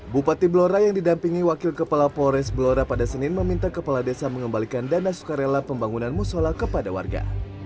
bupati blora yang didampingi wakil kepala polres blora pada senin meminta kepala desa mengembalikan dana sukarela pembangunan musola kepada warga